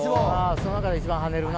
その中で一番跳ねるな。